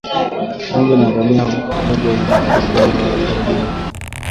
Ngombe na ngamia Ugonjwa huu hutokea mara kwa mara miongoni mwa kondoo